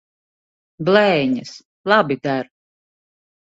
Blēņas! Labi der.